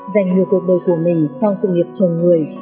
dành nhiều cuộc đời của mình cho sự nghiệp chồng người